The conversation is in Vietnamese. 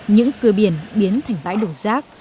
những cưa biển biến thành bãi đổ rác